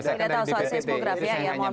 saya tidak tahu saya seismograf ya